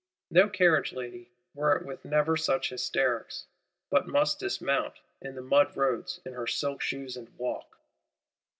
No carriage lady, were it with never such hysterics, but must dismount, in the mud roads, in her silk shoes, and walk.